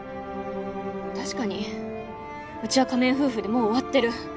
確かにうちは仮面夫婦でもう終わってる